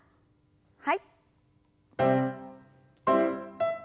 はい。